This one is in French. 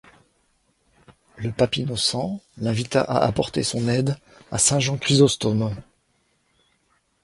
Le pape Innocent l'invita à apporter son aide à saint Jean Chrysostome.